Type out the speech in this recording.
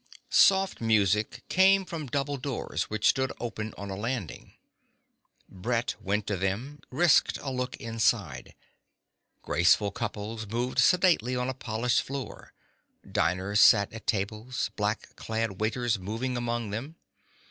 Soft music came from double doors which stood open on a landing. Brett went to them, risked a look inside. Graceful couples moved sedately on a polished floor, diners sat at tables, black clad waiters moving among them.